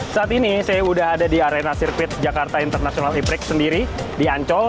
saat ini saya sudah ada di arena sirkuit jakarta international e prix sendiri di ancol